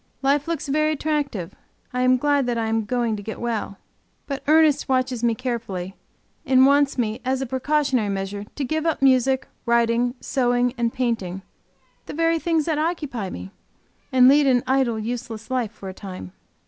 Life looks very attractive. I am glad that I am going to get well. But Ernest watches me carefully, and want me, as a precautionary measure, to give up music, writing, sewing, and painting the very things that occupy me! and lead an idle, useless life, for a time.